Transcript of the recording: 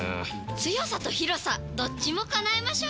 強さと広さどっちも叶えましょうよ！